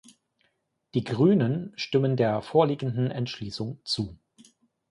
Die Grünen stimmen der vorliegenden Entschließung zu.